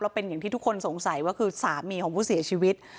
เป็นอย่างที่ทุกคนสงสัยว่าคือสามีของผู้เสียชีวิต